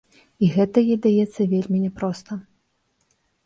І гэта ёй даецца вельмі няпроста.